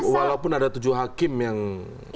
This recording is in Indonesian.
walaupun ada tujuh hakim yang